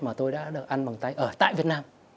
mà tôi đã được ăn bằng tái ở tại việt nam